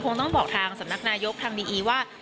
คงต้องบอกทางสำนักนายกทางดีอีว่า